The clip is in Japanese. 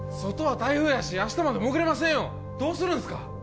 外は台風やし明日まで潜れませんよどうするんすか？